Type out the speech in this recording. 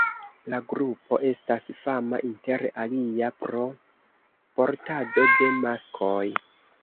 La grupo estas fama inter alia pro portado de maskoj.